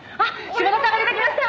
「志茂田さんが出てきました！